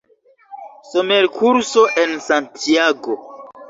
Somerkurso en Santiago.